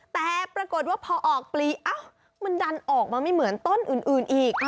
แต่ปรากฏว่าพอออกปลีมันดันออกมาไม่เหมือนต้นอื่นอีก